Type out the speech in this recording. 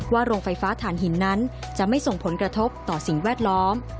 โรงไฟฟ้าฐานหินนั้นจะไม่ส่งผลกระทบต่อสิ่งแวดล้อม